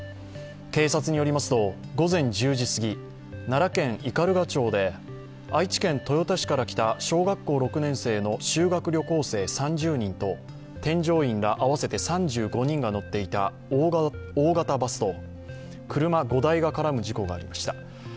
警察によりますと、午前１０時すぎ、奈良県斑鳩町で愛知県豊田市から来た小学校６年生の修学旅行生３０人と添乗員ら合わせて３５人が乗っていた大型バスと、車５台が絡む事故がありました。